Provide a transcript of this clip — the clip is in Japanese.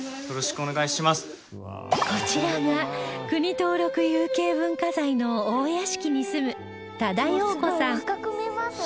こちらが国登録有形文化財の大屋敷に住む多田洋子さん